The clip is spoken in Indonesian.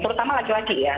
terutama laki laki ya